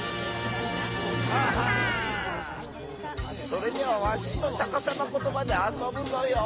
それではわしとさかさまことばであそぶぞよ。